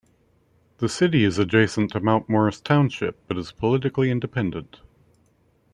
The city is adjacent to Mount Morris Township, but is politically independent.